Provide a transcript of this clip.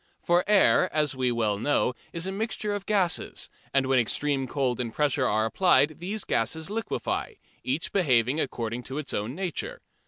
For air, as we well know, is a mixture of gases, and when extreme cold and pressure are applied these gases liquefy, each behaving according to its own nature.